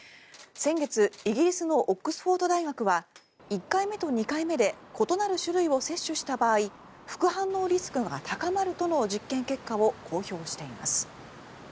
先月、イギリスのオックスフォード大学は１回目と２回目で異なる種類を接種した場合副反応リスクが高まるとの実験結果を公表しています。